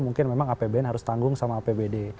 mungkin memang apbn harus tanggung sama apbd